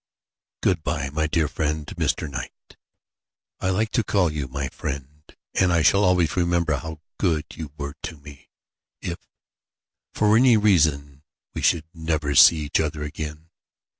"Good bye, my dear friend Mr. Knight. I like to call you my friend, and I shall always remember how good you were to me, if, for any reason, we should never see each other again.